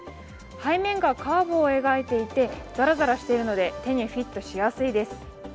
背面がカーブを描いていてざらざらしているので、手にフィットしやすいです。